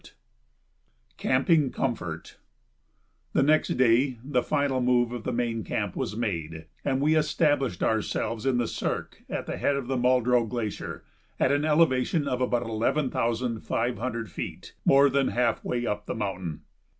] [Sidenote: Camping Comfort] The next day the final move of the main camp was made, and we established ourselves in the cirque at the head of the Muldrow Glacier, at an elevation of about eleven thousand five hundred feet, more than half way up the mountain.